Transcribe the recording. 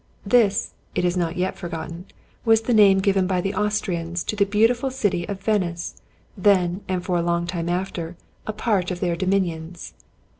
This (it is not yet forgotten) was the name given by the Austrians to the beautiful city of Venice, then, and for long after, a part of their dominions.